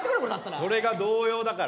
それが童謡だから。